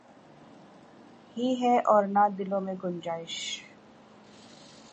اب پرانے وقتوں کی طرح نہ تو ایک دوسرے کا خیال رکھنے کی عادت رہی ہے اور نہ ہی دلوں میں گنجائش